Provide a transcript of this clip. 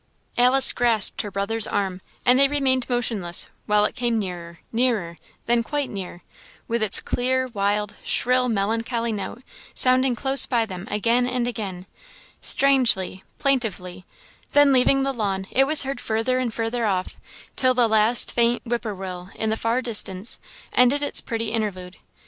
Alice grasped her brother's arm, and they remained motionless, while it came nearer, nearer, then quite near, with its clear, wild, shrill, melancholy note sounding close by them again and again strangely, plaintively then leaving the lawn, it was heard further and further off, till the last faint "whip poor will," in the far distance, ended its pretty interlude.